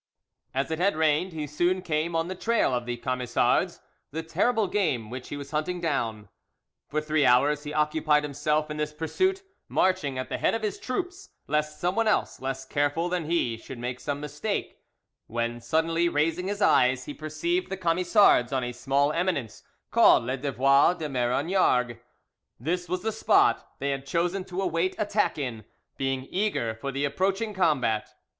As it had rained, he soon came on the trail of the Camisards, the terrible game which he was hunting down. For three hours he occupied himself in this pursuit, marching at the head of his troops, lest someone else less careful than he should make some mistake, when, suddenly raising his eyes, he perceived the Camisards on a small eminence called Les Devois de Maraignargues. This was the spot they had chosen to await attack in, being eager for the approaching combat.